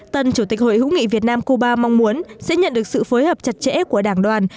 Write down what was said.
tân chủ tịch hội hữu nghị việt nam cuba mong muốn sẽ nhận được sự phối hợp chặt chẽ của đảng đoàn